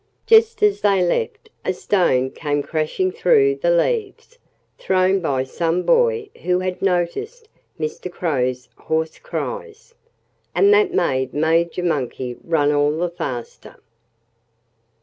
Just as they left, a stone came crashing through the leaves, thrown by some boy who had noticed Mr. Crow's hoarse cries. And that made Major Monkey run all the faster.